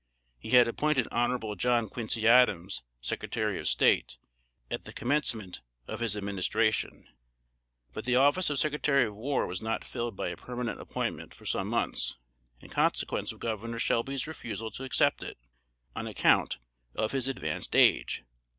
He had appointed Hon. John Quincy Adams Secretary of State, at the commencement of his administration; but the office of Secretary of War was not filled by a permanent appointment, for some months, in consequence of Governor Shelby's refusal to accept it, on account of his advanced age.